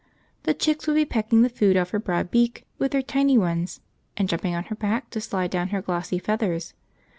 The chicks would be pecking the food off her broad beak with their tiny ones, and jumping on her back to slide down her glossy feathers.